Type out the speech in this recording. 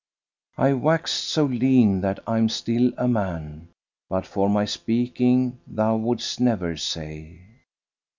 I waxt so lean that I am still a man, * But for my speaking, thou wouldst never say."